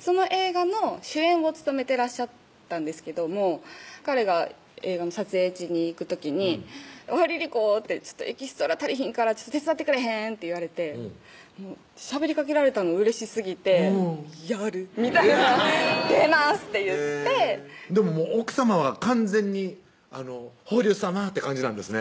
その映画の主演を務めてらっしゃったんですけども彼が映画の撮影地に行く時に「Ｒｉｒｉｃｏエキストラ足りひんから手伝ってくれへん？」って言われてしゃべりかけられたのうれしすぎて「やる！」みたいな「出ます！」って言って奥さまは完全に「峰龍さま」って感じなんですね